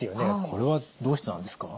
これはどうしてなんですか？